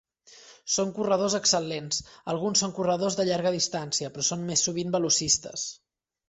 Són corredors excel·lents: alguns són corredors de llarga distància, però són més sovint velocistes.